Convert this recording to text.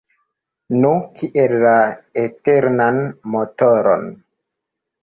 Nu, kiel la eternan motoron.